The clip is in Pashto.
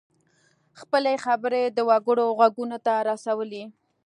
خپلې خبرې د وګړو غوږونو ته ورسولې.